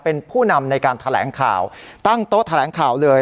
เป็นผู้นำในการแถลงข่าวตั้งโต๊ะแถลงข่าวเลย